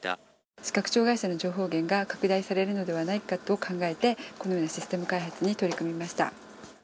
視覚障害者の情報源が拡大されるのではないかと考えてこのようなシステム開発に取り組みました。